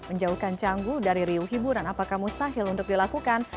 menjauhkan canggu dari riuh hiburan apakah mustahil untuk dilakukan